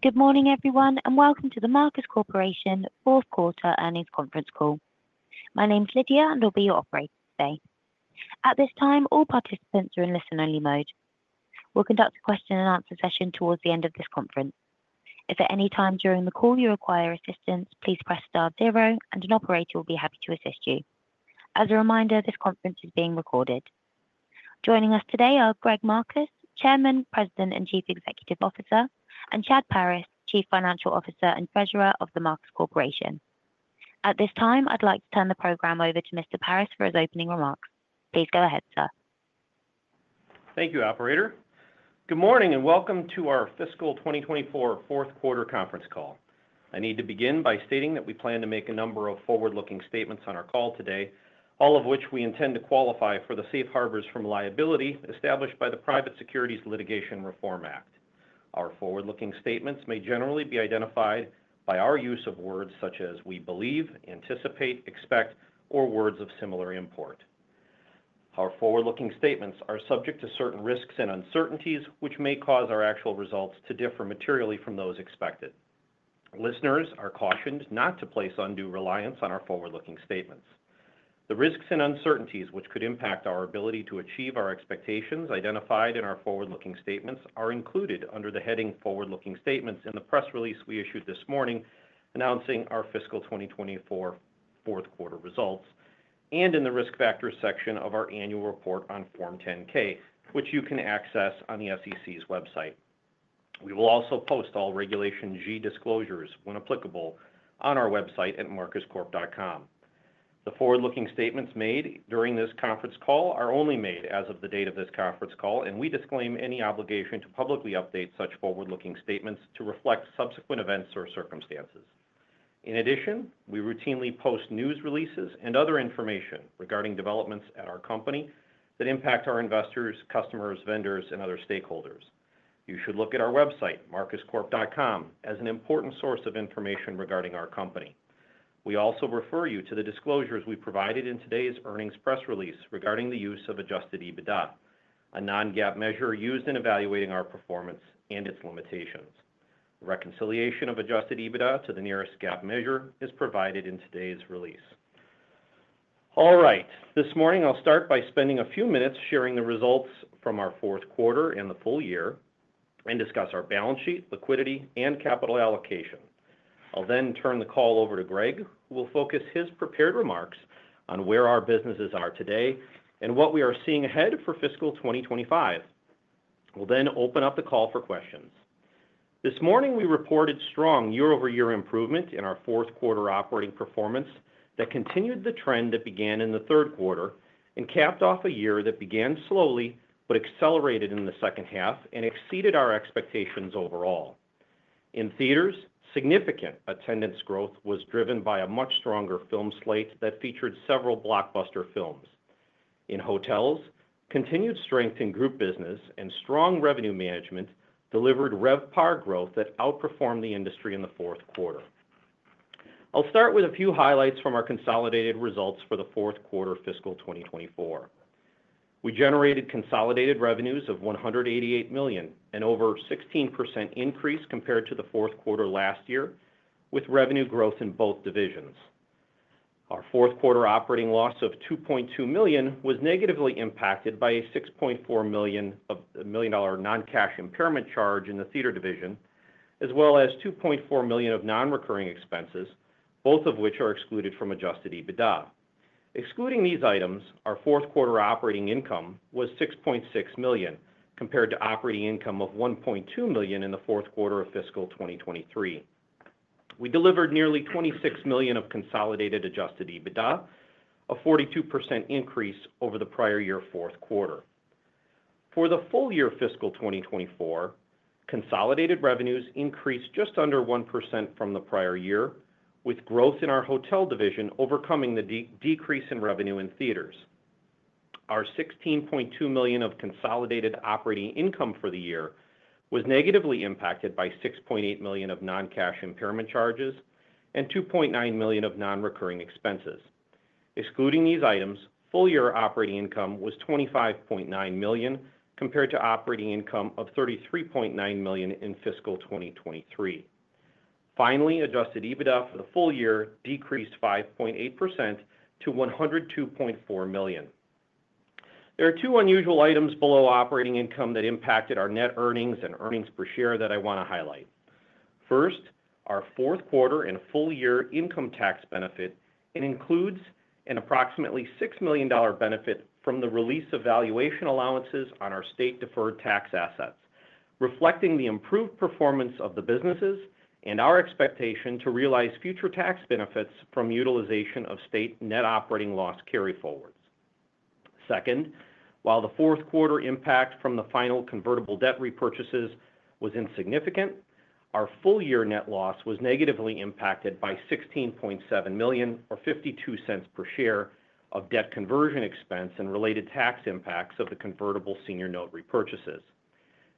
Good morning, everyone, and welcome to The Marcus Corporation Fourth Quarter Earnings Conference Call. My name's Lydia, and I'll be your operator today. At this time, all participants are in listen-only mode. We'll conduct a question-and-answer session towards the end of this conference. If at any time during the call you require assistance, please press star zero, and an operator will be happy to assist you. As a reminder, this conference is being recorded. Joining us today are Greg Marcus, Chairman, President, and Chief Executive Officer, and Chad Paris, Chief Financial Officer and Treasurer of The Marcus Corporation. At this time, I'd like to turn the program over to Mr. Paris for his opening remarks. Please go ahead, sir. Thank you, Operator. Good morning, and welcome to our fiscal 2024 Fourth Quarter Conference Call. I need to begin by stating that we plan to make a number of forward-looking statements on our call today, all of which we intend to qualify for the safe harbors from liability established by the Private Securities Litigation Reform Act. Our forward-looking statements may generally be identified by our use of words such as we believe, anticipate, expect, or words of similar import. Our forward-looking statements are subject to certain risks and uncertainties, which may cause our actual results to differ materially from those expected. Listeners are cautioned not to place undue reliance on our forward-looking statements. The risks and uncertainties which could impact our ability to achieve our expectations identified in our forward-looking statements are included under the heading Forward-Looking Statements in the press release we issued this morning announcing our fiscal 2024 Fourth Quarter results and in the risk factors section of our annual report on Form 10-K, which you can access on the SEC's website. We will also post all Regulation G disclosures, when applicable, on our website at marcuscorp.com. The forward-looking statements made during this conference call are only made as of the date of this conference call, and we disclaim any obligation to publicly update such forward-looking statements to reflect subsequent events or circumstances. In addition, we routinely post news releases and other information regarding developments at our company that impact our investors, customers, vendors, and other stakeholders. You should look at our website, marcuscorp.com, as an important source of information regarding our company. We also refer you to the disclosures we provided in today's earnings press release regarding the use of Adjusted EBITDA, a non-GAAP measure used in evaluating our performance and its limitations. Reconciliation of Adjusted EBITDA to the nearest GAAP measure is provided in today's release. All right, this morning I'll start by spending a few minutes sharing the results from our fourth quarter and the full year and discuss our balance sheet, liquidity, and capital allocation. I'll then turn the call over to Greg, who will focus his prepared remarks on where our businesses are today and what we are seeing ahead for fiscal 2025. We'll then open up the call for questions. This morning we reported strong year-over-year improvement in our fourth quarter operating performance that continued the trend that began in the third quarter and capped off a year that began slowly but accelerated in the second half and exceeded our expectations overall. In theaters, significant attendance growth was driven by a much stronger film slate that featured several blockbuster films. In hotels, continued strength in group business and strong revenue management delivered RevPAR growth that outperformed the industry in the fourth quarter. I'll start with a few highlights from our consolidated results for the fourth quarter fiscal 2024. We generated consolidated revenues of $188 million, an over 16% increase compared to the fourth quarter last year, with revenue growth in both divisions. Our fourth quarter operating loss of $2.2 million was negatively impacted by a $6.4 million non-cash impairment charge in the theater division, as well as $2.4 million of non-recurring expenses, both of which are excluded from Adjusted EBITDA. Excluding these items, our fourth quarter operating income was $6.6 million compared to operating income of $1.2 million in the fourth quarter of fiscal 2023. We delivered nearly $26 million of consolidated Adjusted EBITDA, a 42% increase over the prior year fourth quarter. For the full year fiscal 2024, consolidated revenues increased just under 1% from the prior year, with growth in our hotel division overcoming the decrease in revenue in theaters. Our $16.2 million of consolidated operating income for the year was negatively impacted by $6.8 million of non-cash impairment charges and $2.9 million of non-recurring expenses. Excluding these items, full year operating income was $25.9 million compared to operating income of $33.9 million in fiscal 2023. Finally, Adjusted EBITDA for the full year decreased 5.8% to $102.4 million. There are two unusual items below operating income that impacted our net earnings and earnings per share that I want to highlight. First, our fourth quarter and full year income tax benefit includes an approximately $6 million benefit from the release of valuation allowances on our state-deferred tax assets, reflecting the improved performance of the businesses and our expectation to realize future tax benefits from utilization of state net operating loss carryforwards. Second, while the fourth quarter impact from the final convertible debt repurchases was insignificant, our full year net loss was negatively impacted by $16.7 million, or $0.52 per share, of debt conversion expense and related tax impacts of the convertible senior note repurchases.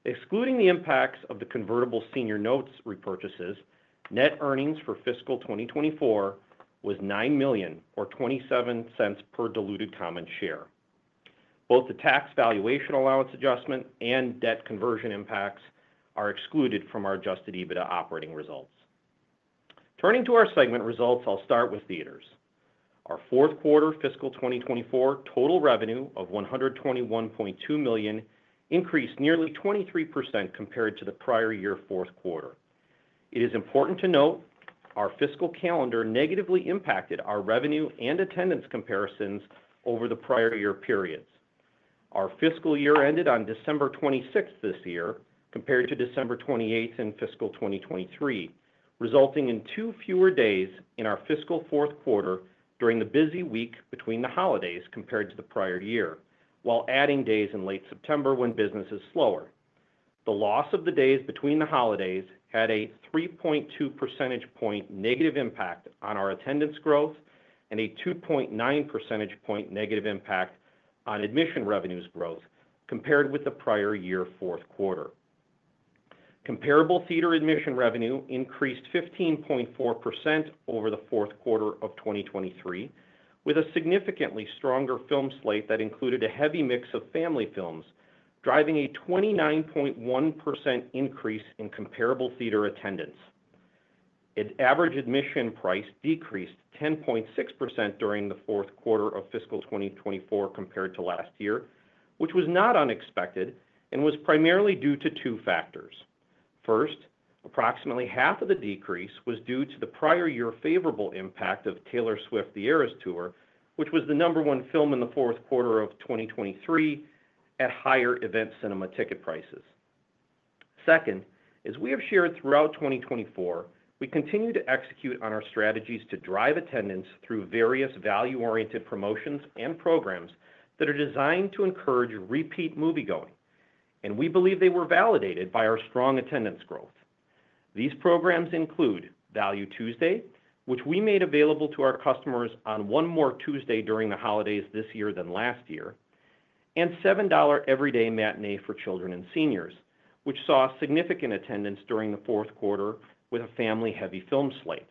Excluding the impacts of the convertible senior notes repurchases, net earnings for fiscal 2024 was $9 million, or $0.27 per diluted common share. Both the tax valuation allowance adjustment and debt conversion impacts are excluded from our Adjusted EBITDA operating results. Turning to our segment results, I'll start with theaters. Our fourth quarter fiscal 2024 total revenue of $121.2 million increased nearly 23% compared to the prior year fourth quarter. It is important to note our fiscal calendar negatively impacted our revenue and attendance comparisons over the prior year periods. Our fiscal year ended on December 26th this year compared to December 28th in fiscal 2023, resulting in two fewer days in our fiscal fourth quarter during the busy week between the holidays compared to the prior year, while adding days in late September when business is slower. The loss of the days between the holidays had a 3.2 percentage point negative impact on our attendance growth and a 2.9 percentage point negative impact on admission revenues growth compared with the prior year fourth quarter. Comparable theater admission revenue increased 15.4% over the fourth quarter of 2023, with a significantly stronger film slate that included a heavy mix of family films, driving a 29.1% increase in comparable theater attendance. Average admission price decreased 10.6% during the fourth quarter of fiscal 2024 compared to last year, which was not unexpected and was primarily due to two factors. First, approximately half of the decrease was due to the prior year favorable impact of Taylor Swift: The Eras Tour, which was the number one film in the fourth quarter of 2023 at higher event cinema ticket prices. Second, as we have shared throughout 2024, we continue to execute on our strategies to drive attendance through various value-oriented promotions and programs that are designed to encourage repeat moviegoing, and we believe they were validated by our strong attendance growth. These programs include Value Tuesday, which we made available to our customers on one more Tuesday during the holidays this year than last year, and $7 Everyday Matinee for children and seniors, which saw significant attendance during the fourth quarter with a family-heavy film slate.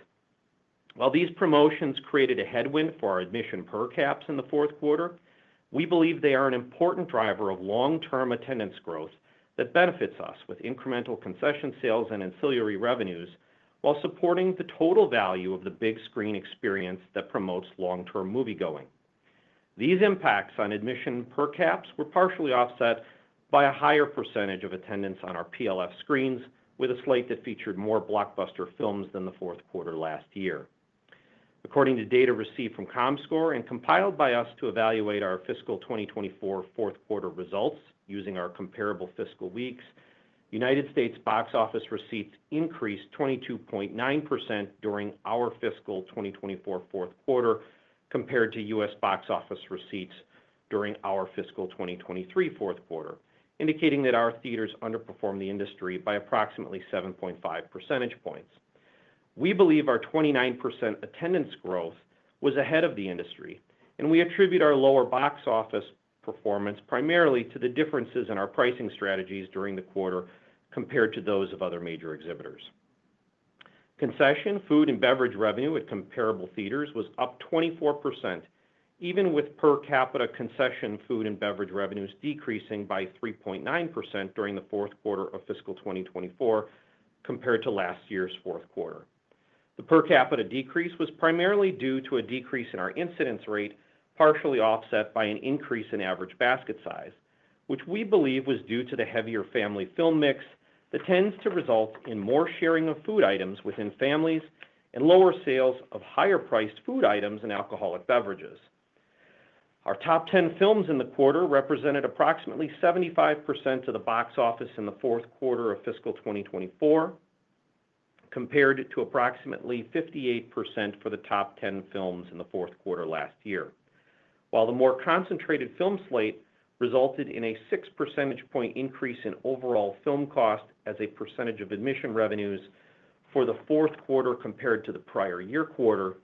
While these promotions created a headwind for our admission per caps in the fourth quarter, we believe they are an important driver of long-term attendance growth that benefits us with incremental concession sales and ancillary revenues while supporting the total value of the big screen experience that promotes long-term moviegoing. These impacts on admission per caps were partially offset by a higher percentage of attendance on our PLF screens, with a slate that featured more blockbuster films than the fourth quarter last year. According to data received from Comscore and compiled by us to evaluate our fiscal 2024 fourth quarter results using our comparable fiscal weeks, United States box office receipts increased 22.9% during our fiscal 2024 fourth quarter compared to U.S. box office receipts during our fiscal 2023 fourth quarter, indicating that our theaters underperformed the industry by approximately 7.5 percentage points. We believe our 29% attendance growth was ahead of the industry, and we attribute our lower box office performance primarily to the differences in our pricing strategies during the quarter compared to those of other major exhibitors. Concession, food, and beverage revenue at comparable theaters was up 24%, even with per capita concession, food, and beverage revenues decreasing by 3.9% during the fourth quarter of fiscal 2024 compared to last year's fourth quarter. The per capita decrease was primarily due to a decrease in our incidence rate, partially offset by an increase in average basket size, which we believe was due to the heavier family film mix that tends to result in more sharing of food items within families and lower sales of higher-priced food items and alcoholic beverages. Our top 10 films in the quarter represented approximately 75% of the box office in the fourth quarter of fiscal 2024, compared to approximately 58% for the top 10 films in the fourth quarter last year. While the more concentrated film slate resulted in a six percentage point increase in overall film cost as a percentage of admission revenues for the fourth quarter compared to the prior year quarter,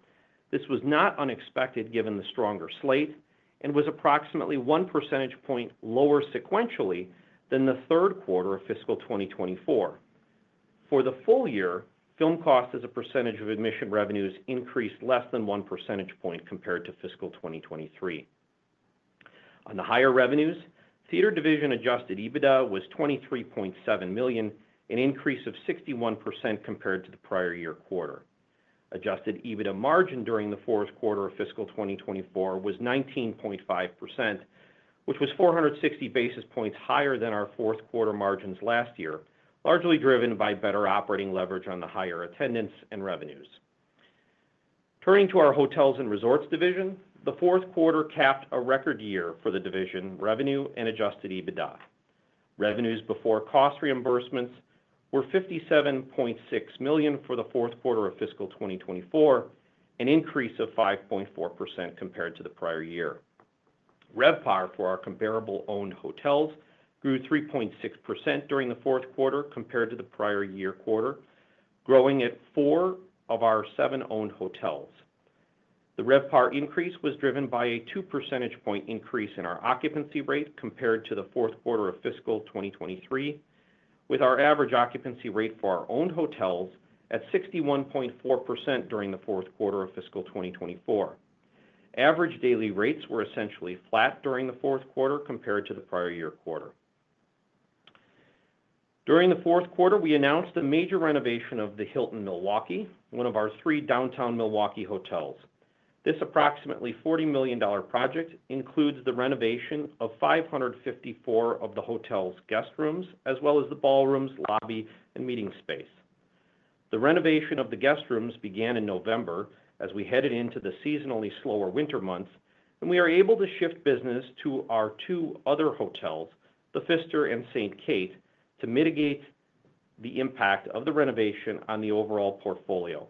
this was not unexpected given the stronger slate and was approximately one percentage point lower sequentially than the third quarter of fiscal 2024. For the full year, film cost as a percentage of admission revenues increased less than one percentage point compared to fiscal 2023. On the higher revenues, theater division Adjusted EBITDA was $23.7 million, an increase of 61% compared to the prior year quarter. Adjusted EBITDA margin during the fourth quarter of fiscal 2024 was 19.5%, which was 460 basis points higher than our fourth quarter margins last year, largely driven by better operating leverage on the higher attendance and revenues. Turning to our hotels and resorts division, the fourth quarter capped a record year for the division revenue and Adjusted EBITDA. Revenues before cost reimbursements were $57.6 million for the fourth quarter of fiscal 2024, an increase of 5.4% compared to the prior year. RevPAR for our comparable-owned hotels grew 3.6% during the fourth quarter compared to the prior year quarter, growing at four of our seven owned hotels. The RevPAR increase was driven by a two percentage point increase in our occupancy rate compared to the fourth quarter of fiscal 2023, with our average occupancy rate for our owned hotels at 61.4% during the fourth quarter of fiscal 2024. Average daily rates were essentially flat during the fourth quarter compared to the prior year quarter. During the fourth quarter, we announced the major renovation of the Hilton Milwaukee, one of our three downtown Milwaukee hotels. This approximately $40 million project includes the renovation of 554 of the hotel's guest rooms, as well as the ballrooms, lobby, and meeting space. The renovation of the guest rooms began in November as we headed into the seasonally slower winter months, and we are able to shift business to our two other hotels, the Pfister and Saint Kate, to mitigate the impact of the renovation on the overall portfolio.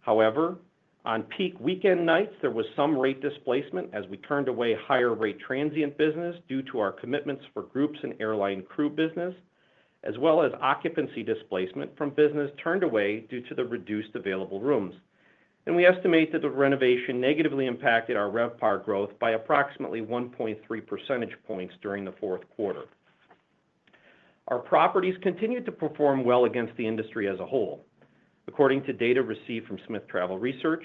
However, on peak weekend nights, there was some rate displacement as we turned away higher-rate transient business due to our commitments for groups and airline crew business, as well as occupancy displacement from business turned away due to the reduced available rooms. We estimate that the renovation negatively impacted our RevPAR growth by approximately 1.3 percentage points during the fourth quarter. Our properties continued to perform well against the industry as a whole. According to data received from Smith Travel Research,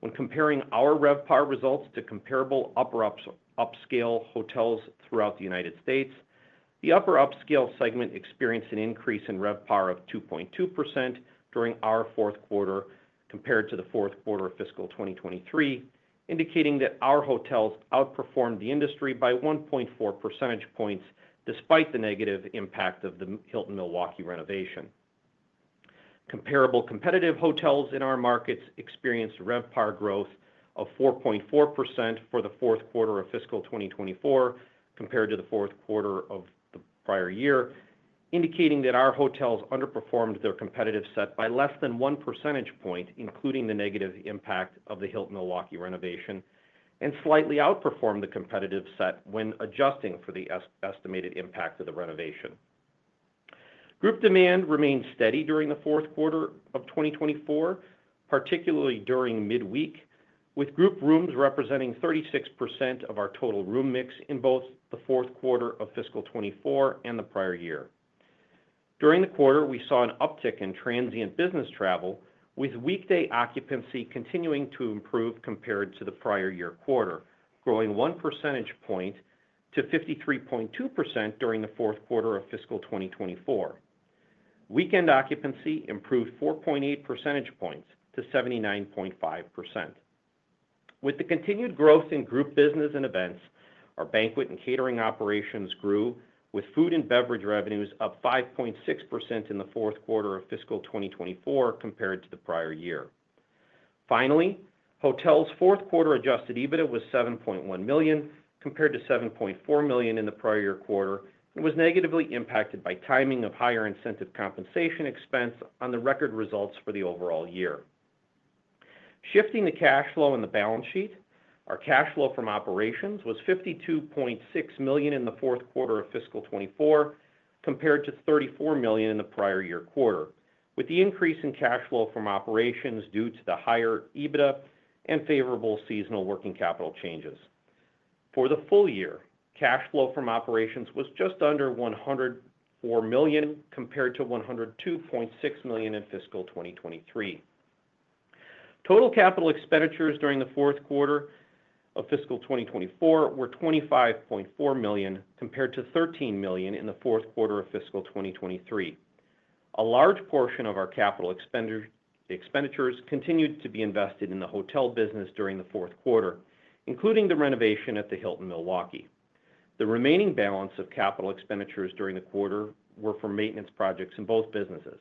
when comparing our RevPAR results to comparable upper-upscale hotels throughout the United States, the upper-upscale segment experienced an increase in RevPAR of 2.2% during our fourth quarter compared to the fourth quarter of fiscal 2023, indicating that our hotels outperformed the industry by 1.4 percentage points despite the negative impact of the Hilton Milwaukee renovation. Comparable competitive hotels in our markets experienced RevPAR growth of 4.4% for the fourth quarter of fiscal 2024 compared to the fourth quarter of the prior year, indicating that our hotels underperformed their competitive set by less than 1 percentage point, including the negative impact of the Hilton Milwaukee renovation, and slightly outperformed the competitive set when adjusting for the estimated impact of the renovation. Group demand remained steady during the fourth quarter of 2024, particularly during midweek, with group rooms representing 36% of our total room mix in both the fourth quarter of fiscal 2024 and the prior year. During the quarter, we saw an uptick in transient business travel, with weekday occupancy continuing to improve compared to the prior year quarter, growing one percentage point to 53.2% during the fourth quarter of fiscal 2024. Weekend occupancy improved 4.8 percentage points to 79.5%. With the continued growth in group business and events, our banquet and catering operations grew, with food and beverage revenues up 5.6% in the fourth quarter of fiscal 2024 compared to the prior year. Finally, hotels' fourth quarter Adjusted EBITDA was $7.1 million compared to $7.4 million in the prior year quarter and was negatively impacted by timing of higher incentive compensation expense on the record results for the overall year. Shifting the cash flow on the balance sheet, our cash flow from operations was $52.6 million in the fourth quarter of fiscal 2024 compared to $34 million in the prior year quarter, with the increase in cash flow from operations due to the higher EBITDA and favorable seasonal working capital changes. For the full year, cash flow from operations was just under $104 million compared to $102.6 million in fiscal 2023. Total capital expenditures during the fourth quarter of fiscal 2024 were $25.4 million compared to $13 million in the fourth quarter of fiscal 2023. A large portion of our capital expenditures continued to be invested in the hotel business during the fourth quarter, including the renovation at the Hilton Milwaukee. The remaining balance of capital expenditures during the quarter were for maintenance projects in both businesses.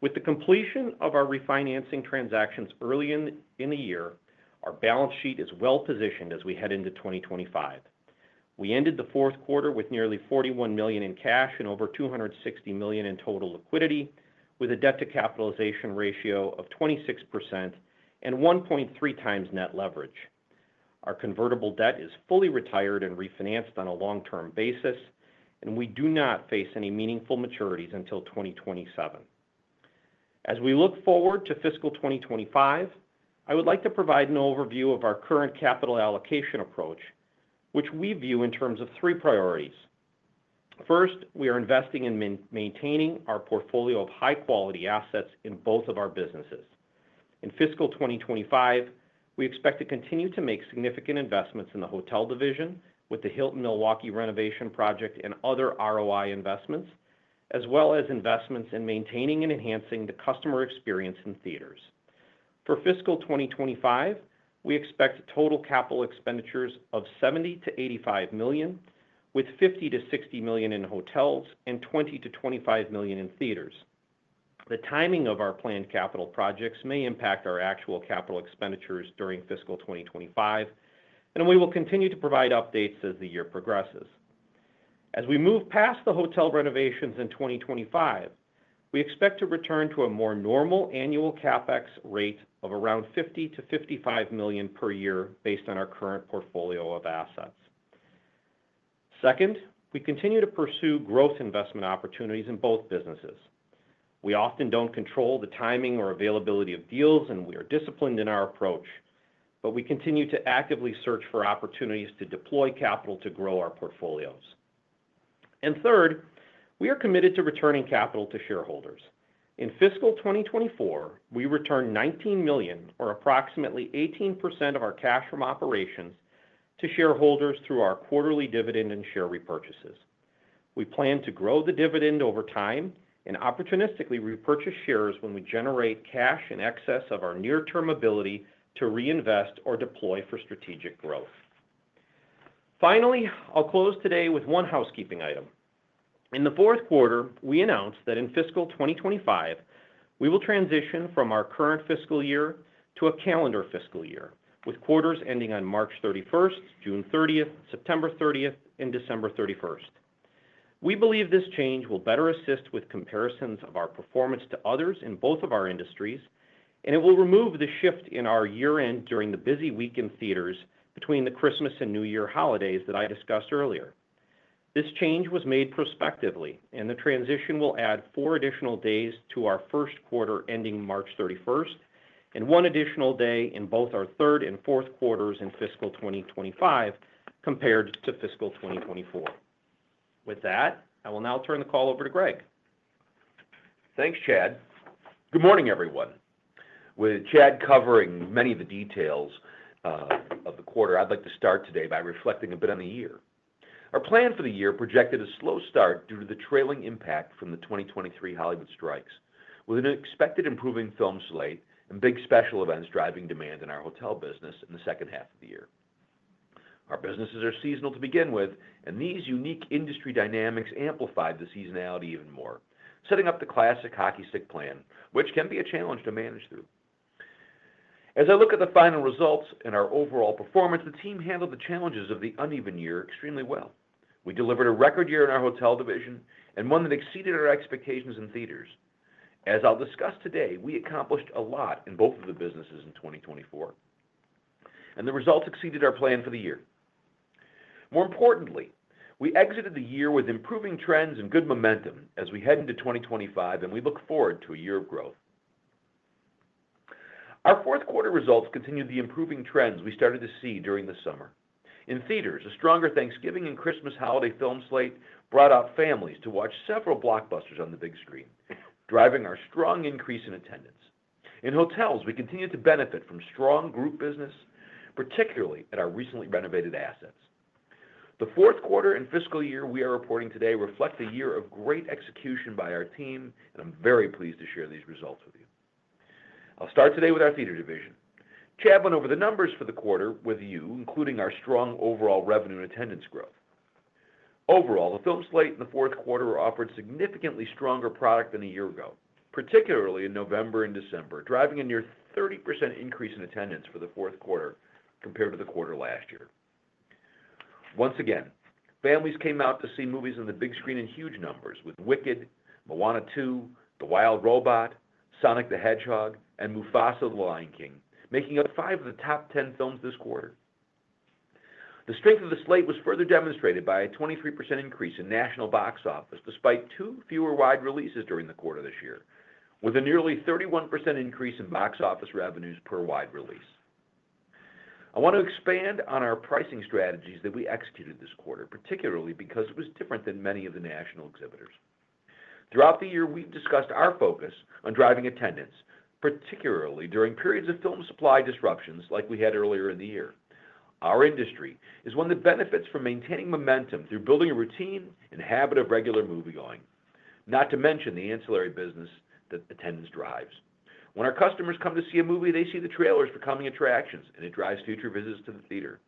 With the completion of our refinancing transactions early in the year, our balance sheet is well positioned as we head into 2025. We ended the fourth quarter with nearly $41 million in cash and over $260 million in total liquidity, with a debt-to-capitalization ratio of 26% and 1.3 times net leverage. Our convertible debt is fully retired and refinanced on a long-term basis, and we do not face any meaningful maturities until 2027. As we look forward to fiscal 2025, I would like to provide an overview of our current capital allocation approach, which we view in terms of three priorities. First, we are investing in maintaining our portfolio of high-quality assets in both of our businesses. In fiscal 2025, we expect to continue to make significant investments in the hotel division with the Hilton Milwaukee renovation project and other ROI investments, as well as investments in maintaining and enhancing the customer experience in theaters. For fiscal 2025, we expect total capital expenditures of $70 million-$85 million, with $50 million-$60 million in hotels and $20 million-$25 million in theaters. The timing of our planned capital projects may impact our actual capital expenditures during fiscal 2025, and we will continue to provide updates as the year progresses. As we move past the hotel renovations in 2025, we expect to return to a more normal annual CapEx rate of around $50 million-$55 million per year based on our current portfolio of assets. Second, we continue to pursue growth investment opportunities in both businesses. We often don't control the timing or availability of deals, and we are disciplined in our approach, but we continue to actively search for opportunities to deploy capital to grow our portfolios. And third, we are committed to returning capital to shareholders. In fiscal 2024, we returned $19 million, or approximately 18% of our cash from operations, to shareholders through our quarterly dividend and share repurchases. We plan to grow the dividend over time and opportunistically repurchase shares when we generate cash in excess of our near-term ability to reinvest or deploy for strategic growth. Finally, I'll close today with one housekeeping item. In the fourth quarter, we announced that in fiscal 2025, we will transition from our current fiscal year to a calendar fiscal year, with quarters ending on March 31st, June 30th, September 30th, and December 31st. We believe this change will better assist with comparisons of our performance to others in both of our industries, and it will remove the shift in our year-end during the busy week in theaters between the Christmas and New Year holidays that I discussed earlier. This change was made prospectively, and the transition will add four additional days to our first quarter ending March 31st and one additional day in both our third and fourth quarters in fiscal 2025 compared to fiscal 2024. With that, I will now turn the call over to Greg. Thanks, Chad. Good morning, everyone. With Chad covering many of the details of the quarter, I'd like to start today by reflecting a bit on the year. Our plan for the year projected a slow start due to the trailing impact from the 2023 Hollywood strikes, with an expected improving film slate and big special events driving demand in our hotel business in the second half of the year. Our businesses are seasonal to begin with, and these unique industry dynamics amplified the seasonality even more, setting up the classic hockey stick plan, which can be a challenge to manage through. As I look at the final results and our overall performance, the team handled the challenges of the uneven year extremely well. We delivered a record year in our hotel division and one that exceeded our expectations in theaters. As I'll discuss today, we accomplished a lot in both of the businesses in 2024, and the results exceeded our plan for the year. More importantly, we exited the year with improving trends and good momentum as we head into 2025, and we look forward to a year of growth. Our fourth quarter results continued the improving trends we started to see during the summer. In theaters, a stronger Thanksgiving and Christmas holiday film slate brought out families to watch several blockbusters on the big screen, driving our strong increase in attendance. In hotels, we continued to benefit from strong group business, particularly at our recently renovated assets. The fourth quarter and fiscal year we are reporting today reflect a year of great execution by our team, and I'm very pleased to share these results with you. I'll start today with our theater division. Chad went over the numbers for the quarter with you, including our strong overall revenue and attendance growth. Overall, the film slate in the fourth quarter offered significantly stronger product than a year ago, particularly in November and December, driving a near 30% increase in attendance for the fourth quarter compared to the quarter last year. Once again, families came out to see movies on the big screen in huge numbers with Wicked, Moana 2, The Wild Robot, Sonic the Hedgehog, and Mufasa: The Lion King, making up five of the top 10 films this quarter. The strength of the slate was further demonstrated by a 23% increase in national box office despite two fewer wide releases during the quarter this year, with a nearly 31% increase in box office revenues per wide release. I want to expand on our pricing strategies that we executed this quarter, particularly because it was different than many of the national exhibitors. Throughout the year, we've discussed our focus on driving attendance, particularly during periods of film supply disruptions like we had earlier in the year. Our industry is one that benefits from maintaining momentum through building a routine and habit of regular moviegoing, not to mention the ancillary business that attendance drives. When our customers come to see a movie, they see the trailers becoming attractions, and it drives future visits to the theater.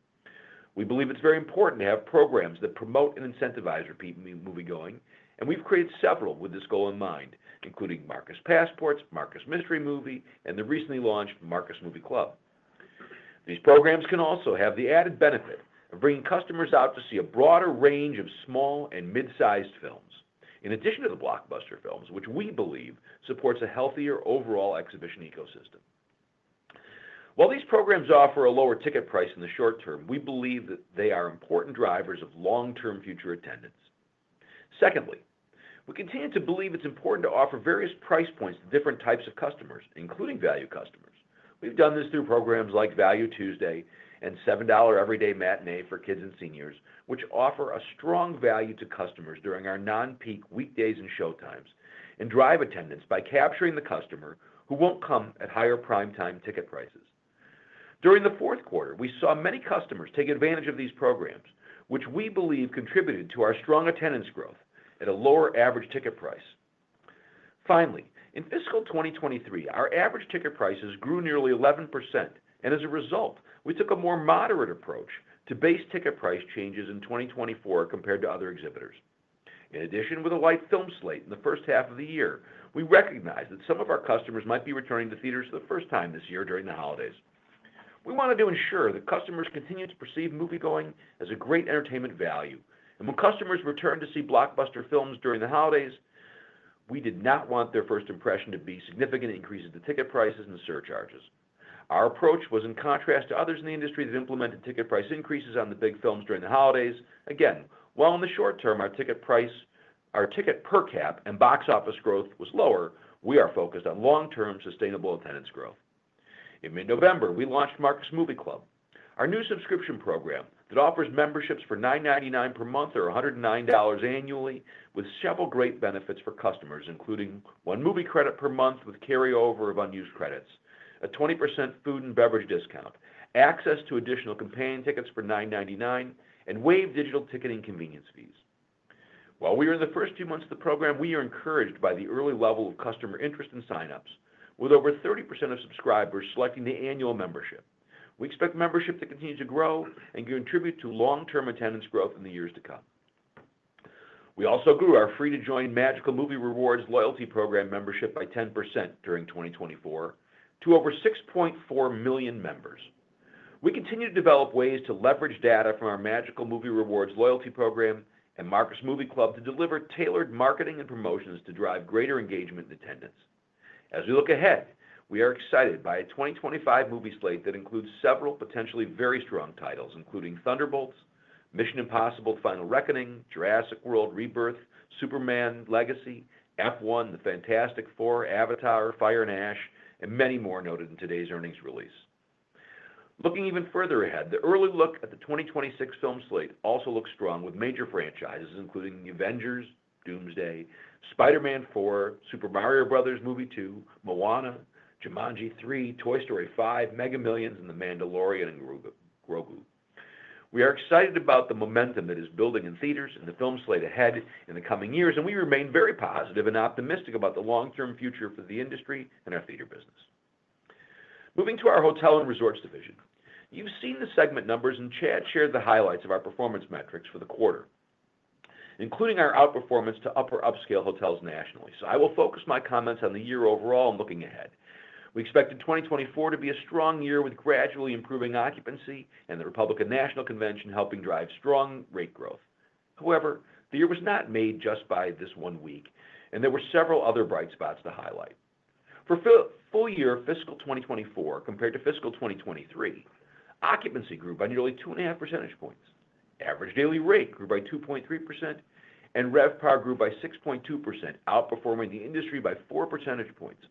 We believe it's very important to have programs that promote and incentivize repeat moviegoing, and we've created several with this goal in mind, including Marcus Passports, Marcus Mystery Movie, and the recently launched Marcus Movie Club. These programs can also have the added benefit of bringing customers out to see a broader range of small and mid-sized films, in addition to the blockbuster films, which we believe supports a healthier overall exhibition ecosystem. While these programs offer a lower ticket price in the short term, we believe that they are important drivers of long-term future attendance. Secondly, we continue to believe it's important to offer various price points to different types of customers, including value customers. We've done this through programs like Value Tuesday and $7 Everyday Matinee for kids and seniors, which offer a strong value to customers during our non-peak weekdays and showtimes and drive attendance by capturing the customer who won't come at higher prime-time ticket prices. During the fourth quarter, we saw many customers take advantage of these programs, which we believe contributed to our strong attendance growth at a lower average ticket price. Finally, in fiscal 2023, our average ticket prices grew nearly 11%, and as a result, we took a more moderate approach to base ticket price changes in 2024 compared to other exhibitors. In addition, with a wide film slate in the first half of the year, we recognize that some of our customers might be returning to theaters for the first time this year during the holidays. We wanted to ensure that customers continue to perceive moviegoing as a great entertainment value, and when customers return to see blockbuster films during the holidays, we did not want their first impression to be significant increases in ticket prices and surcharges. Our approach was in contrast to others in the industry that implemented ticket price increases on the big films during the holidays. Again, while in the short term our ticket price, our ticket per cap and box office growth was lower, we are focused on long-term sustainable attendance growth. In mid-November, we launched Marcus Movie Club, our new subscription program that offers memberships for $9.99 per month or $109 annually, with several great benefits for customers, including one movie credit per month with carryover of unused credits, a 20% food and beverage discount, access to additional companion tickets for $9.99, and waived digital ticketing convenience fees. While we are in the first few months of the program, we are encouraged by the early level of customer interest and signups, with over 30% of subscribers selecting the annual membership. We expect membership to continue to grow and contribute to long-term attendance growth in the years to come. We also grew our free-to-join Magical Movie Rewards loyalty program membership by 10% during 2024 to over 6.4 million members. We continue to develop ways to leverage data from our Magical Movie Rewards loyalty program and Marcus Movie Club to deliver tailored marketing and promotions to drive greater engagement and attendance. As we look ahead, we are excited by a 2025 movie slate that includes several potentially very strong titles, including Thunderbolts, Mission: Impossible - Final Reckoning, Jurassic World: Rebirth, Superman: Legacy, F1, The Fantastic Four, Avatar: Fire and Ash, and many more noted in today's earnings release. Looking even further ahead, the early look at the 2026 film slate also looks strong with major franchises, including Avengers: Doomsday, Spider-Man 4, Super Mario Bros. Movie 2, Moana, Jumanji 3, Toy Story 5, [Minions], and The Mandalorian & Grogu. We are excited about the momentum that is building in theaters and the film slate ahead in the coming years, and we remain very positive and optimistic about the long-term future for the industry and our theater business. Moving to our hotel and resorts division, you've seen the segment numbers, and Chad shared the highlights of our performance metrics for the quarter, including our outperformance to upper-upscale hotels nationally, so I will focus my comments on the year overall and looking ahead. We expected 2024 to be a strong year with gradually improving occupancy and the Republican National Convention helping drive strong rate growth. However, the year was not made just by this one week, and there were several other bright spots to highlight. For full year fiscal 2024 compared to fiscal 2023, occupancy grew by nearly 2.5 percentage points, average daily rate grew by 2.3%, and RevPAR grew by 6.2%, outperforming the industry by four percentage points.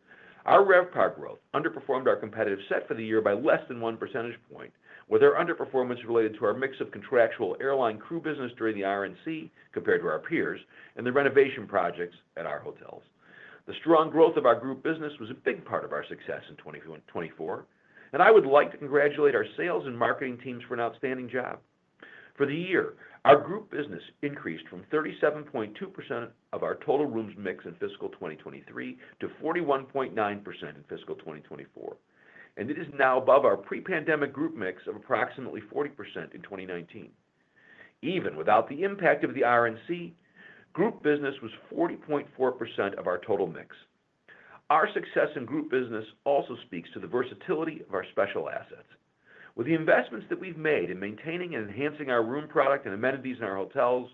Our RevPAR growth underperformed our competitive set for the year by less than one percentage point, with our underperformance related to our mix of contractual airline crew business during the RNC compared to our peers and the renovation projects at our hotels. The strong growth of our group business was a big part of our success in 2024, and I would like to congratulate our sales and marketing teams for an outstanding job. For the year, our group business increased from 37.2% of our total rooms mix in fiscal 2023 to 41.9% in fiscal 2024, and it is now above our pre-pandemic group mix of approximately 40% in 2019. Even without the impact of the RNC, group business was 40.4% of our total mix. Our success in group business also speaks to the versatility of our special assets. With the investments that we've made in maintaining and enhancing our room product and amenities in our hotels,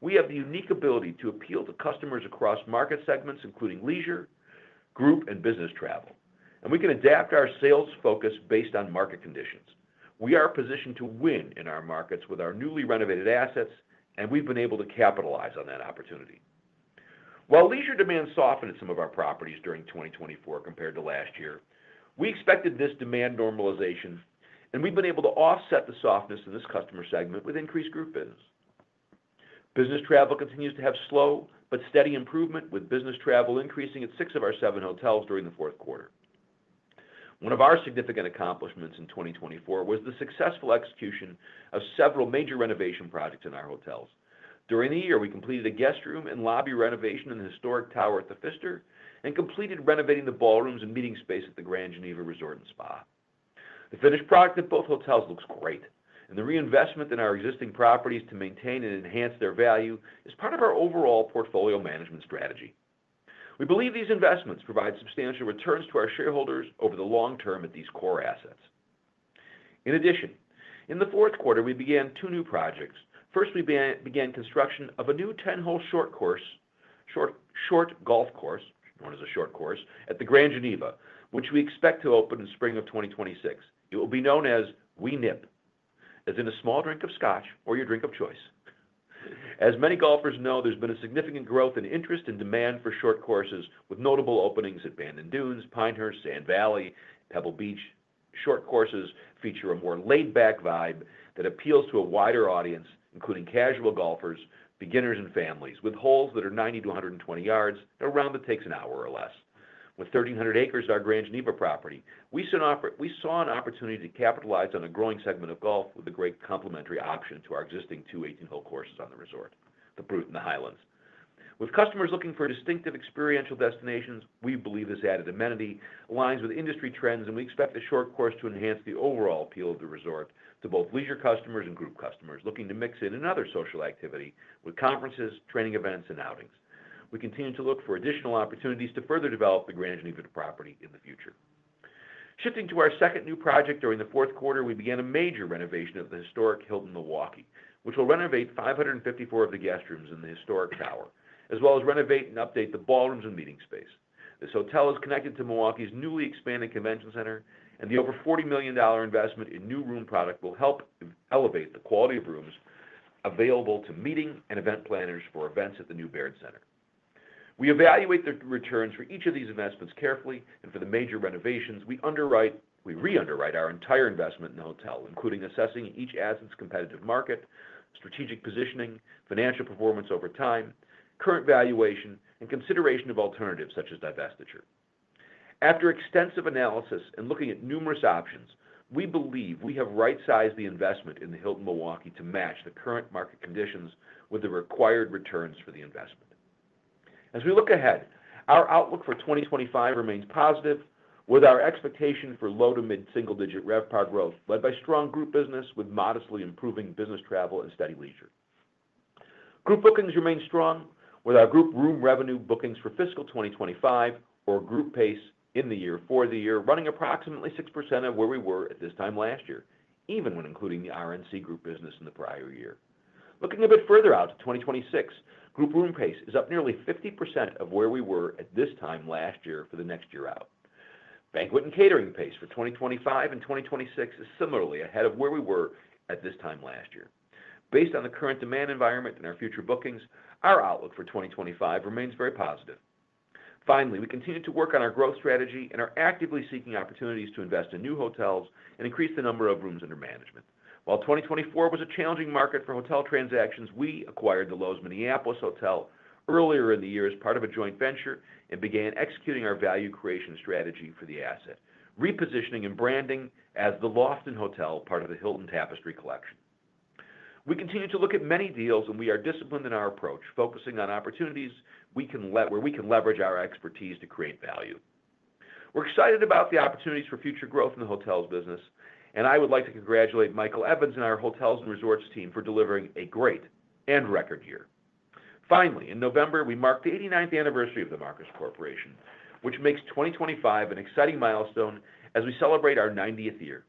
we have the unique ability to appeal to customers across market segments, including leisure, group, and business travel, and we can adapt our sales focus based on market conditions. We are positioned to win in our markets with our newly renovated assets, and we've been able to capitalize on that opportunity. While leisure demand softened at some of our properties during 2024 compared to last year, we expected this demand normalization, and we've been able to offset the softness in this customer segment with increased group business. Business travel continues to have slow but steady improvement, with business travel increasing at six of our seven hotels during the fourth quarter. One of our significant accomplishments in 2024 was the successful execution of several major renovation projects in our hotels. During the year, we completed a guest room and lobby renovation in the historic Tower at the Pfister and completed renovating the ballrooms and meeting space at the Grand Geneva Resort & Spa. The finished product at both hotels looks great, and the reinvestment in our existing properties to maintain and enhance their value is part of our overall portfolio management strategy. We believe these investments provide substantial returns to our shareholders over the long term at these core assets. In addition, in the fourth quarter, we began two new projects. First, we began construction of a new 10-hole short course, short golf course, known as a short course, at the Grand Geneva, which we expect to open in spring of 2026. It will be known as Wee Nip, as in a small drink of scotch or your drink of choice. As many golfers know, there's been a significant growth in interest and demand for short courses, with notable openings at Bandon Dunes, Pinehurst, Sand Valley, and Pebble Beach. Short courses feature a more laid-back vibe that appeals to a wider audience, including casual golfers, beginners, and families, with holes that are 90-120 yards and around that takes an hour or less. With 1,300 acres of our Grand Geneva property, we saw an opportunity to capitalize on a growing segment of golf with a great complementary option to our existing two 18-hole courses on the resort, The Brute and The Highlands. With customers looking for distinctive experiential destinations, we believe this added amenity aligns with industry trends, and we expect the short course to enhance the overall appeal of the resort to both leisure customers and group customers looking to mix in another social activity with conferences, training events, and outings. We continue to look for additional opportunities to further develop the Grand Geneva property in the future. Shifting to our second new project during the fourth quarter, we began a major renovation of the historic Hilton Milwaukee, which will renovate 554 of the guest rooms in the historic tower, as well as renovate and update the ballrooms and meeting space. This hotel is connected to Milwaukee's newly expanded convention center, and the over $40 million investment in new room product will help elevate the quality of rooms available to meeting and event planners for events at the new Baird Center. We evaluate the returns for each of these investments carefully, and for the major renovations, we re-underwrite our entire investment in the hotel, including assessing each asset's competitive market, strategic positioning, financial performance over time, current valuation, and consideration of alternatives such as divestiture. After extensive analysis and looking at numerous options, we believe we have right-sized the investment in the Hilton Milwaukee to match the current market conditions with the required returns for the investment. As we look ahead, our outlook for 2025 remains positive, with our expectation for low to mid-single-digit RevPAR growth led by strong group business with modestly improving business travel and steady leisure. Group bookings remain strong, with our group room revenue bookings for fiscal 2025 or group pace in the year for the year running approximately 6% of where we were at this time last year, even when including the RNC group business in the prior year. Looking a bit further out to 2026, group room pace is up nearly 50% of where we were at this time last year for the next year out. Banquet and catering pace for 2025 and 2026 is similarly ahead of where we were at this time last year. Based on the current demand environment and our future bookings, our outlook for 2025 remains very positive. Finally, we continue to work on our growth strategy and are actively seeking opportunities to invest in new hotels and increase the number of rooms under management. While 2024 was a challenging market for hotel transactions, we acquired the Loews Minneapolis Hotel earlier in the year as part of a joint venture and began executing our value creation strategy for the asset, repositioning and branding as The Lofton Hotel, part of the Hilton Tapestry Collection. We continue to look at many deals, and we are disciplined in our approach, focusing on opportunities where we can leverage our expertise to create value. We're excited about the opportunities for future growth in the hotels business, and I would like to congratulate Michael Evans and our hotels and resorts team for delivering a great and record year. Finally, in November, we marked the 89th anniversary of the Marcus Corporation, which makes 2025 an exciting milestone as we celebrate our 90th year.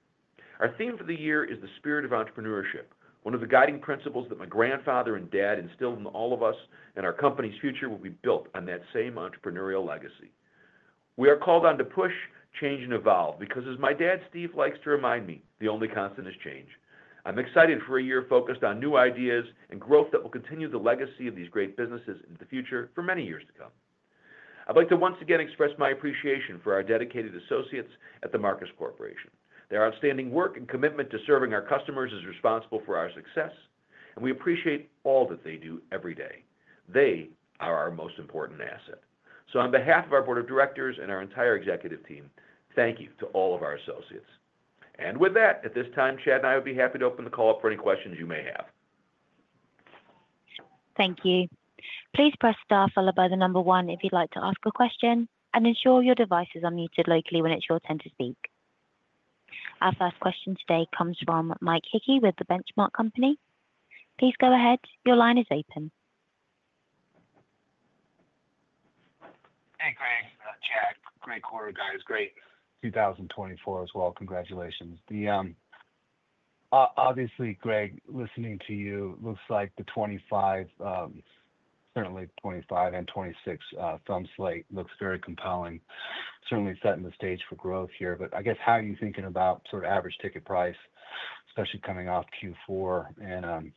Our theme for the year is the spirit of entrepreneurship, one of the guiding principles that my grandfather and dad instilled in all of us, and our company's future will be built on that same entrepreneurial legacy. We are called on to push, change, and evolve because, as my dad Steve likes to remind me, the only constant is change. I'm excited for a year focused on new ideas and growth that will continue the legacy of these great businesses into the future for many years to come. I'd like to once again express my appreciation for our dedicated associates at the Marcus Corporation. Their outstanding work and commitment to serving our customers is responsible for our success, and we appreciate all that they do every day. They are our most important asset. So, on behalf of our board of directors and our entire executive team, thank you to all of our associates. And with that, at this time, Chad and I would be happy to open the call up for any questions you may have. Thank you. Please press star followed by the number one if you'd like to ask a question, and ensure your device is unmuted locally when it's your turn to speak. Our first question today comes from Mike Hickey with The Benchmark Company. Please go ahead. Your line is open. Hey, Greg. Chad, great quarter, guys. Great 2024 as well. Congratulations. Obviously, Greg, listening to you, it looks like the 2025, certainly 2025 and 2026 film slate looks very compelling, certainly setting the stage for growth here. But I guess, how are you thinking about sort of average ticket price, especially coming off Q4 and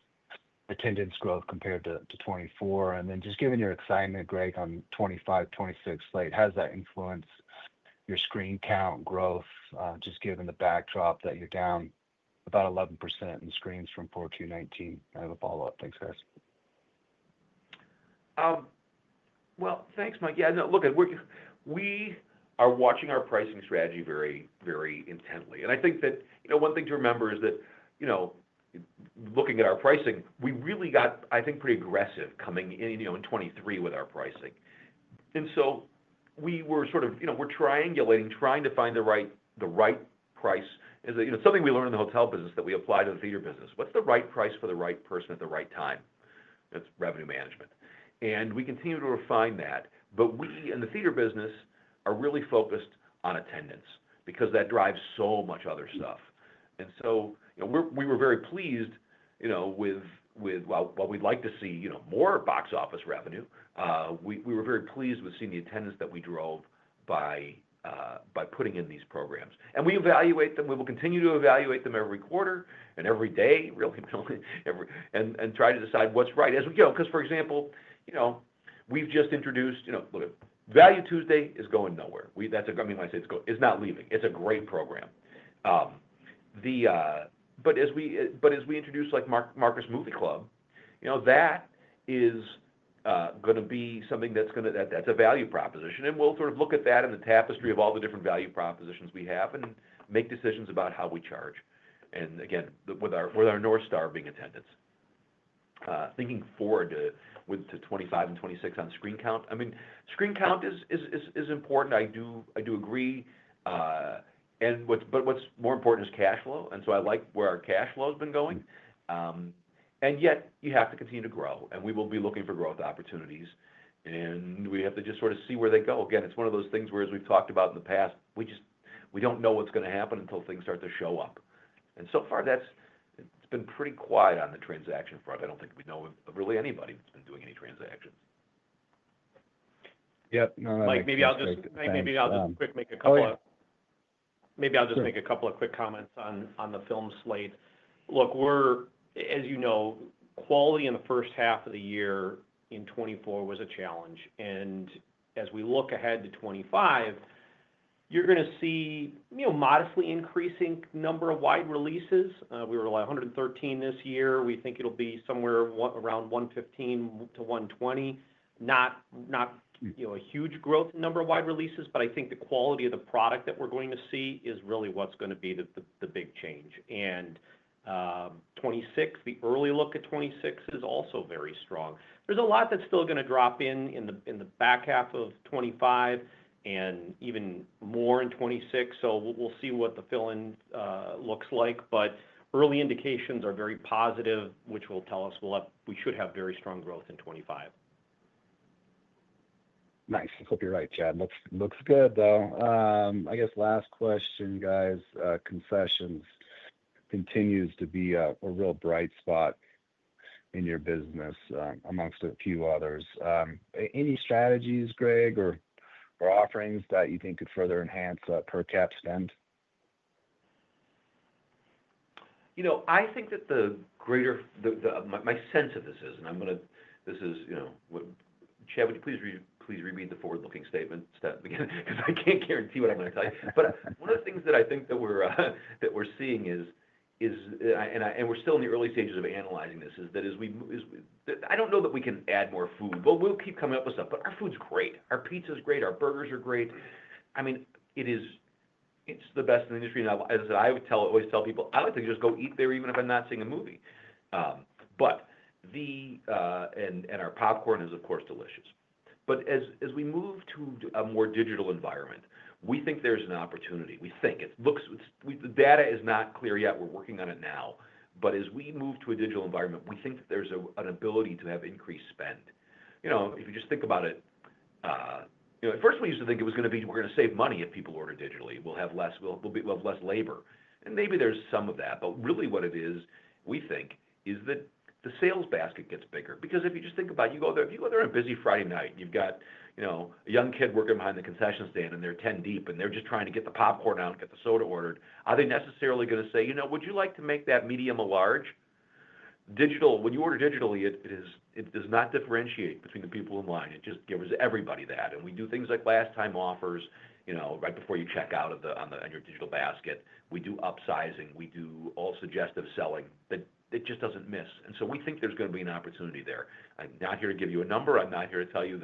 attendance growth compared to 2024? And then just given your excitement, Greg, on 2025, 2026 slate, how does that influence your screen count growth, just given the backdrop that you're down about 11% in screens from 2014, 2019? I have a follow-up. Thanks, guys. Well, thanks, Mike. Yeah, look, we are watching our pricing strategy very, very intently. And I think that one thing to remember is that looking at our pricing, we really got, I think, pretty aggressive coming in 2023 with our pricing. And so we were sort of triangulating, trying to find the right price. It's something we learned in the hotel business that we apply to the theater business. What's the right price for the right person at the right time? That's revenue management. And we continue to refine that. But we in the theater business are really focused on attendance because that drives so much other stuff. And so we were very pleased with, well, we'd like to see more box office revenue. We were very pleased with seeing the attendance that we drove by putting in these programs. And we evaluate them. We will continue to evaluate them every quarter and every day, really, and try to decide what's right as we go. Because, for example, we've just introduced Value Tuesday is going nowhere. I mean, when I say it's not leaving, it's a great program. But as we introduce Marcus Movie Club, that is going to be something that's a value proposition. And we'll sort of look at that and the tapestry of all the different value propositions we have and make decisions about how we charge. And again, with our North Star being attendance, thinking forward to 2025 and 2026 on screen count, I mean, screen count is important. I do agree. But what's more important is cash flow. And so I like where our cash flow has been going. And yet, you have to continue to grow. And we will be looking for growth opportunities. And we have to just sort of see where they go. Again, it's one of those things where, as we've talked about in the past, we don't know what's going to happen until things start to show up. And so far, it's been pretty quiet on the transaction front. I don't think we know of really anybody that's been doing any transactions. Yep. Mike, maybe I'll just make a couple of quick comments on the film slate. Look, as you know, quality in the first half of the year in 2024 was a challenge. As we look ahead to 2025, you're going to see a modestly increasing number of wide releases. We were like 113 this year. We think it'll be somewhere around 115 to 120. Not a huge growth in number of wide releases, but I think the quality of the product that we're going to see is really what's going to be the big change. In 2026, the early look at 2026 is also very strong. There's a lot that's still going to drop in the back half of 2025 and even more in 2026. So we'll see what the fill-in looks like. Early indications are very positive, which will tell us we should have very strong growth in 2025. Nice. I hope you're right, Chad. Looks good, though. I guess last question, guys. Concessions continues to be a real bright spot in your business among a few others. Any strategies, Greg, or offerings that you think could further enhance per cap spend? I think that the greater, my sense of this is, and I'm going to, this is, Chad, would you please read the forward-looking statement? Because I can't guarantee what I'm going to tell you. But one of the things that I think that we're seeing is, and we're still in the early stages of analyzing this, is that as we, I don't know that we can add more food. Well, we'll keep coming up with stuff. But our food's great. Our pizza's great. Our burgers are great. I mean, it's the best in the industry. As I said, I always tell people, "I'd like to just go eat there even if I'm not seeing a movie." Our popcorn is, of course, delicious. As we move to a more digital environment, we think there's an opportunity. We think it looks. The data is not clear yet. We're working on it now. As we move to a digital environment, we think that there's an ability to have increased spend. If you just think about it, at first, we used to think it was going to be we're going to save money if people order digitally. We'll have less labor. And maybe there's some of that. Really, what it is, we think, is that the sales basket gets bigger. Because if you just think about it, you go there—if you go there on a busy Friday night, you've got a young kid working behind the concession stand, and they're 10 deep, and they're just trying to get the popcorn out, get the soda ordered, are they necessarily going to say, "Would you like to make that medium or large?" Digital, when you order digitally, it does not differentiate between the people in line. It just gives everybody that. And we do things like last-time offers right before you check out on your digital basket. We do upsizing. We do all suggestive selling. It just doesn't miss. And so we think there's going to be an opportunity there. I'm not here to give you a number. I'm not here to tell you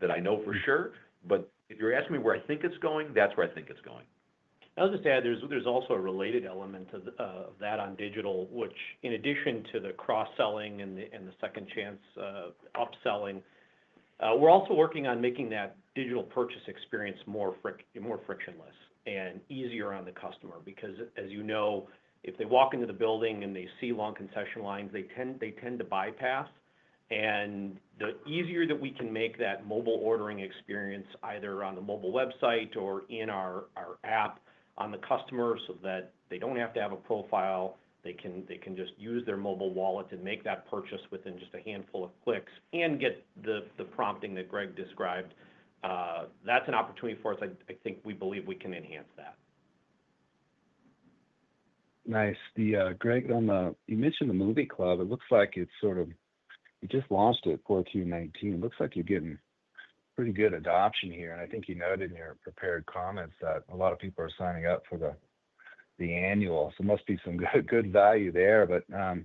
that I know for sure. But if you're asking me where I think it's going, that's where I think it's going. I'll just add there's also a related element of that on digital, which, in addition to the cross-selling and the second chance upselling, we're also working on making that digital purchase experience more frictionless and easier for the customer. Because, as you know, if they walk into the building and they see long concession lines, they tend to bypass, and the easier that we can make that mobile ordering experience either on the mobile website or in our app for the customer so that they don't have to have a profile, they can just use their mobile wallet and make that purchase within just a handful of clicks and get the prompting that Greg described, that's an opportunity for us. I think we believe we can enhance that. Nice. Greg, you mentioned the Movie Club. It looks like it's sort of you just launched it 2014, 2019. It looks like you're getting pretty good adoption here. And I think you noted in your prepared comments that a lot of people are signing up for the annual. So there must be some good value there. But how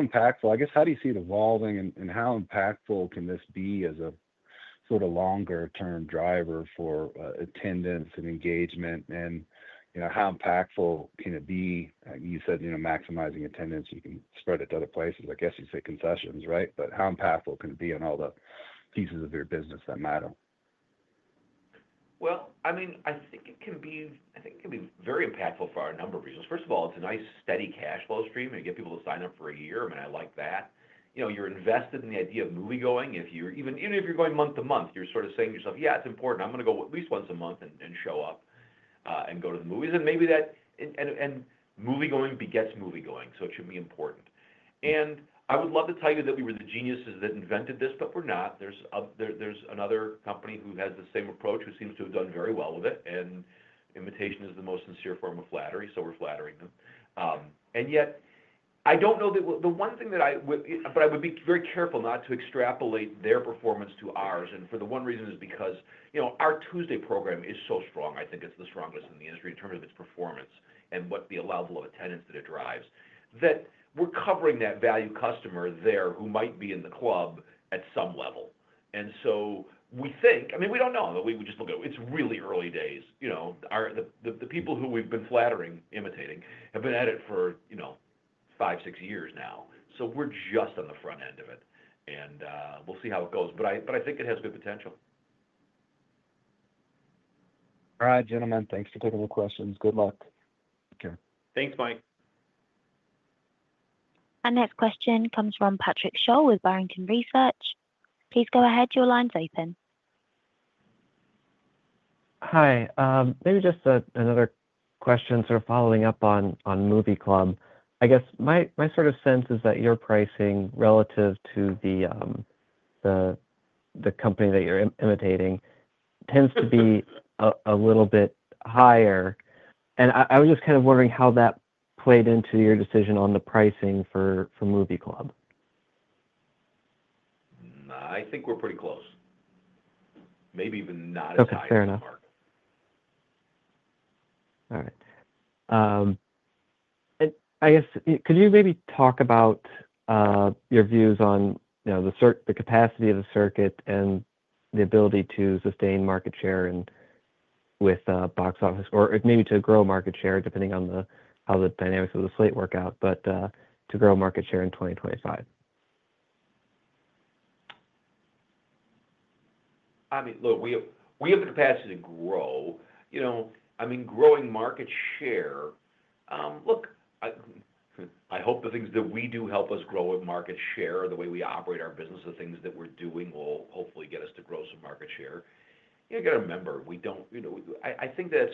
impactful I guess, how do you see it evolving, and how impactful can this be as a sort of longer-term driver for attendance and engagement? And how impactful can it be? You said maximizing attendance, you can spread it to other places. I guess you said concessions, right? But how impactful can it be on all the pieces of your business that matter? Well, I mean, I think it can be I think it can be very impactful for a number of reasons. First of all, it's a nice steady cash flow stream. You get people to sign up for a year. I mean, I like that. You're invested in the idea of movie-going. Even if you're going month to month, you're sort of saying to yourself, "Yeah, it's important. I'm going to go at least once a month and show up and go to the movies." And movie-going begets movie-going. So it should be important. And I would love to tell you that we were the geniuses that invented this, but we're not. There's another company who has the same approach, who seems to have done very well with it. And imitation is the most sincere form of flattery. So we're flattering them. And yet, I don't know that the one thing that I, but I would be very careful not to extrapolate their performance to ours. And for the one reason is because our Tuesday program is so strong. I think it's the strongest in the industry in terms of its performance and what the level of attendance that it drives, that we're covering that value customer there who might be in the club at some level. And so we think, I mean, we don't know. We just look at it. It's really early days. The people who we've been following, imitating, have been at it for five, six years now. So we're just on the front end of it. And we'll see how it goes. But I think it has good potential. All right, gentlemen. Thanks for taking the questions. Good luck. Take care. Thanks, Mike. Our next question comes from Patrick Sholl with Barrington Research. Please go ahead. Your line's open. Hi. Maybe just another question sort of following up on Movie Club. I guess my sort of sense is that your pricing relative to the company that you're imitating tends to be a little bit higher. And I was just kind of wondering how that played into your decision on the pricing for Movie Club. I think we're pretty close. Maybe even not as high as AMC. That's fair enough. All right. And I guess, could you maybe talk about your views on the capacity of the circuit and the ability to sustain market share with box office or maybe to grow market share depending on how the dynamics of the slate work out, but to grow market share in 2025? I mean, look, we have the capacity to grow. I mean, growing market share. Look, I hope the things that we do help us grow with market share or the way we operate our business, the things that we're doing will hopefully get us to grow some market share. You got to remember, we don't. I think that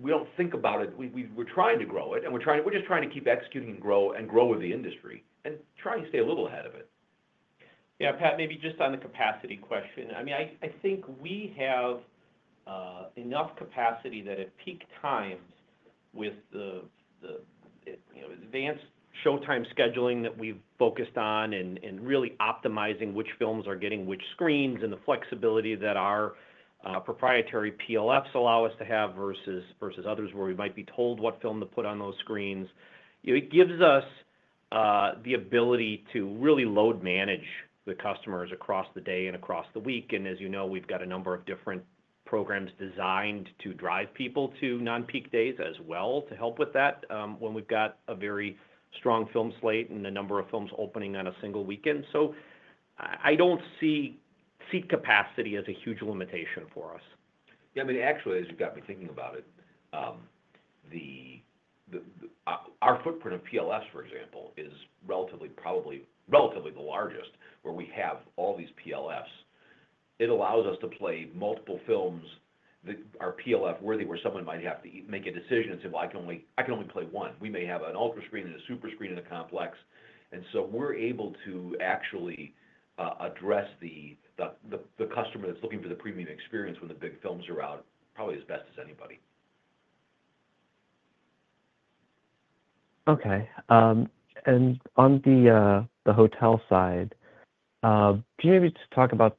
we don't think about it. We're trying to grow it. And we're just trying to keep executing and grow with the industry and trying to stay a little ahead of it. Yeah. Pat, maybe just on the capacity question. I mean, I think we have enough capacity that at peak times with the advanced showtime scheduling that we've focused on and really optimizing which films are getting which screens and the flexibility that our proprietary PLFs allow us to have versus others where we might be told what film to put on those screens, it gives us the ability to really load manage the customers across the day and across the week. And as you know, we've got a number of different programs designed to drive people to non-peak days as well to help with that when we've got a very strong film slate and a number of films opening on a single weekend. So I don't see seat capacity as a huge limitation for us. Yeah. I mean, actually, as you've got me thinking about it, our footprint of PLFs, for example, is relatively the largest where we have all these PLFs. It allows us to play multiple films that are PLF-worthy where someone might have to make a decision and say, "Well, I can only play one." We may have an UltraScreen and a SuperScreen in a complex. And so we're able to actually address the customer that's looking for the premium experience when the big films are out probably as best as anybody. Okay. And on the hotel side, can you maybe just talk about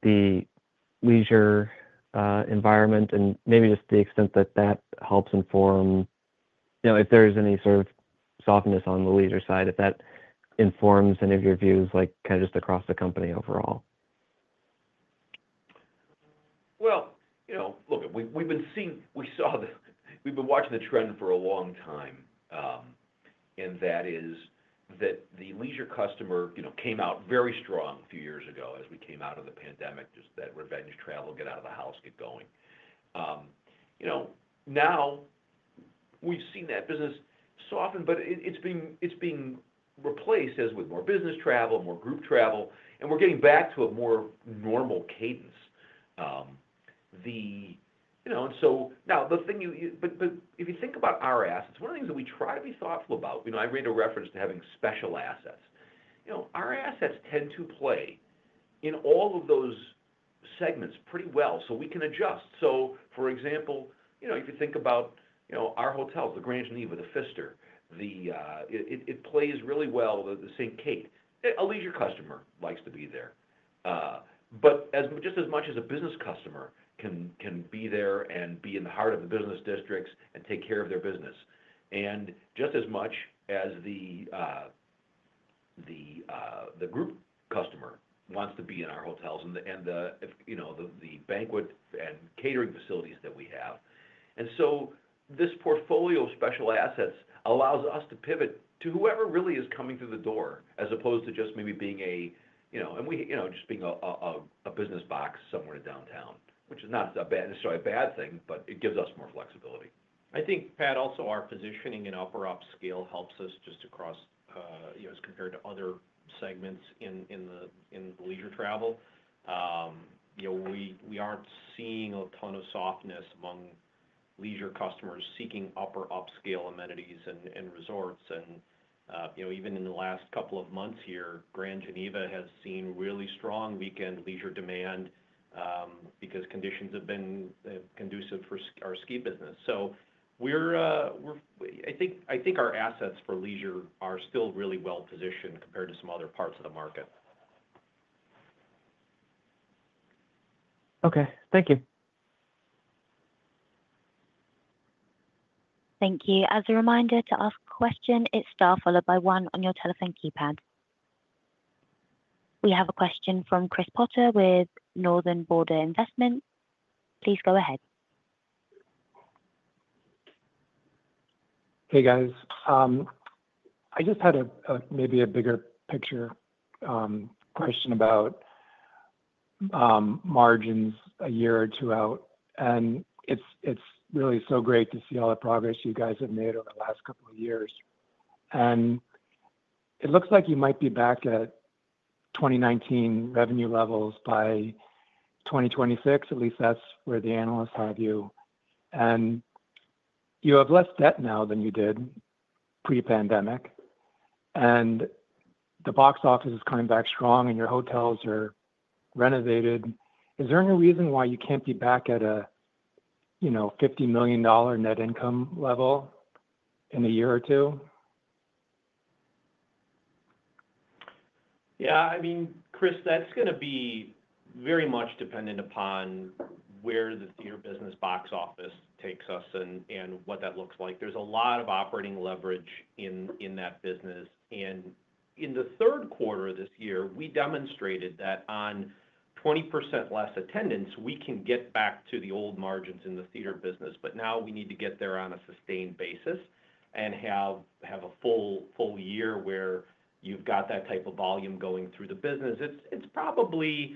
the leisure environment and maybe just the extent that that helps inform if there's any sort of softness on the leisure side, if that informs any of your views kind of just across the company overall? Look, we've been watching the trend for a long time. And that is that the leisure customer came out very strong a few years ago as we came out of the pandemic, just that revenge travel, get out of the house, get going. Now, we've seen that business soften, but it's being replaced with more business travel, more group travel. And we're getting back to a more normal cadence. So now, if you think about our assets, one of the things that we try to be thoughtful about, I made a reference to having special assets. Our assets tend to play in all of those segments pretty well so we can adjust. So, for example, if you think about our hotels, the Grand Geneva, the Pfister, it plays really well with the Saint Kate. A leisure customer likes to be there. But just as much as a business customer can be there and be in the heart of the business districts and take care of their business, and just as much as the group customer wants to be in our hotels and the banquet and catering facilities that we have, and so this portfolio of special assets allows us to pivot to whoever really is coming through the door as opposed to just maybe being a business box somewhere in downtown, which is not necessarily a bad thing, but it gives us more flexibility. I think, Pat, also our positioning in upper-upscale helps us just across as compared to other segments in the leisure travel. We aren't seeing a ton of softness among leisure customers seeking upper-upscale amenities and resorts. Even in the last couple of months here, Grand Geneva has seen really strong weekend leisure demand because conditions have been conducive for our ski business. So I think our assets for leisure are still really well positioned compared to some other parts of the market. Okay. Thank you. Thank you. As a reminder to ask a question, it's star followed by one on your telephone keypad. We have a question from Chris Potter with Northern Border Investments. Please go ahead. Hey, guys. I just had maybe a bigger picture question about margins a year or two out. And it's really so great to see all the progress you guys have made over the last couple of years. And it looks like you might be back at 2019 revenue levels by 2026. At least that's where the analysts have you. You have less debt now than you did pre-pandemic. The box office is coming back strong, and your hotels are renovated. Is there any reason why you can't be back at a $50 million net income level in a year or two? Yeah. I mean, Chris, that's going to be very much dependent upon where your business box office takes us and what that looks like. There's a lot of operating leverage in that business. In the third quarter of this year, we demonstrated that on 20% less attendance, we can get back to the old margins in the theater business. Now we need to get there on a sustained basis and have a full year where you've got that type of volume going through the business. It's probably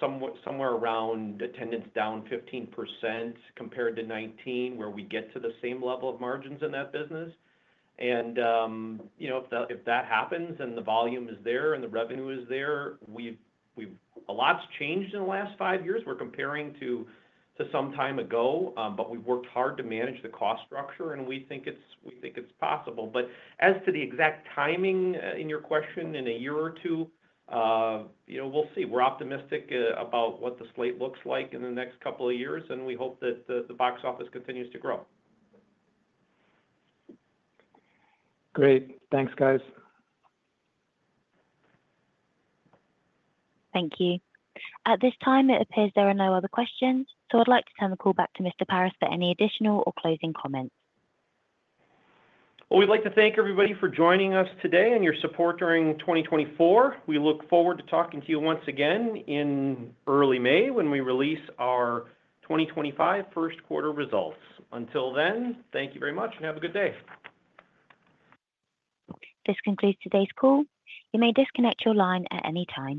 somewhere around attendance down 15% compared to 2019 where we get to the same level of margins in that business. If that happens and the volume is there and the revenue is there, a lot's changed in the last five years. We're comparing to some time ago, but we've worked hard to manage the cost structure, and we think it's possible. As to the exact timing in your question in a year or two, we'll see. We're optimistic about what the slate looks like in the next couple of years, and we hope that the box office continues to grow. Great. Thanks, guys. Thank you. At this time, it appears there are no other questions. I'd like to turn the call back to Mr. Paris for any additional or closing comments. We'd like to thank everybody for joining us today and your support during 2024. We look forward to talking to you once again in early May when we release our 2025 first quarter results. Until then, thank you very much and have a good day. This concludes today's call. You may disconnect your line at any time.